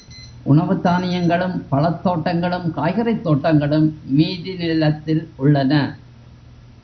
உணவுத் தானியங்களும், பழத்தோட்டங்களும், காய்கறித் தோட்டங்களும் மீதி நிலத்தில் உள்ளன.